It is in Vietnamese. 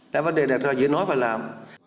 đã vấn đề đặt ra giữa nói và làm